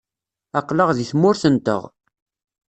Aql-aɣ deg tmurt-nteɣ.